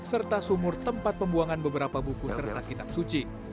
serta sumur tempat pembuangan beberapa buku serta kitab suci